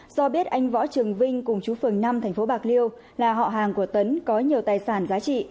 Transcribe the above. do biết anh võ trường vinh cùng chú phường năm tp bạc liêu là họ hàng của tấn có nhiều tài sản giá trị